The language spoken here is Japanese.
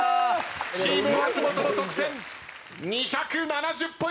チーム松本の得点２７０ポイント